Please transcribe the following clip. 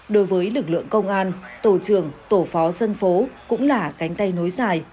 đối với lực lượng công an tổ trưởng tổ phó dân phố cũng là cánh tay nối dài